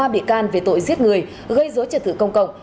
ba bị can về tội giết người gây dối trật tự công cộng